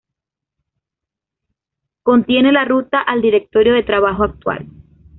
Contiene la ruta al directorio de trabajo actual.